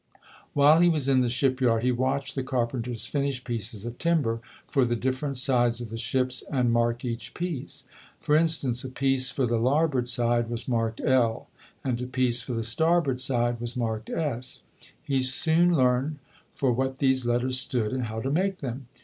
While he was in the shipyard, he watched the carpenters finish pieces of timber for the different sides of the ships and mark each piece. For in stance, a piece for the larboard side was marked L and a piece for the starboard side was marked S. He soon learned for what these letters stood and how to make them.